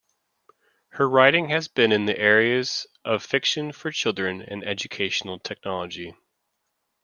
Her writing has been in the areas of fiction for children and educational technology.